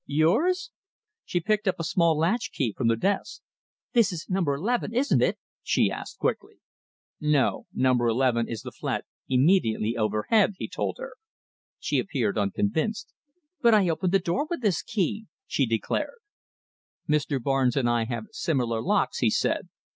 "Yours!" She picked up a small latch key from the desk. "This is number 11, isn't it?" she asked quickly. "No! Number 11 is the flat immediately overhead," he told her. She appeared unconvinced. "But I opened the door with this key," she declared. "Mr. Barnes and I have similar locks," he said.